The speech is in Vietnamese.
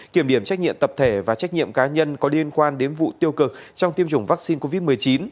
kiểm điểm trách nhiệm tập thể và trách nhiệm cá nhân có liên quan đến vụ tiêu cực trong tiêm chủng vaccine covid một mươi chín